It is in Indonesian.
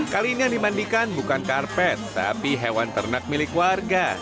kali ini yang dimandikan bukan karpet tapi hewan ternak milik warga